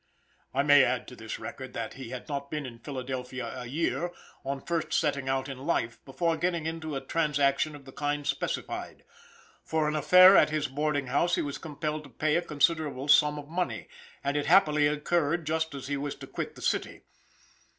I may add to this record that he had not been in Philadelphia a year, on first setting out in life, before getting into a transaction of the kind specified. For an affair at his boarding house he was compelled to pay a considerable sum of money, and it happily occurred just as he was to quit the city.